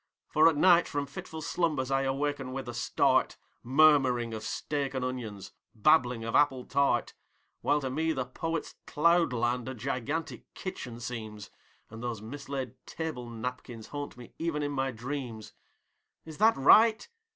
For at night from fitful slumbers I awaken with a start, Murmuring of steak and onions, babbling of apple tart. While to me the Poet's cloudland a gigantic kitchen seems, And those mislaid table napkins haunt me even in my dreams Is this right?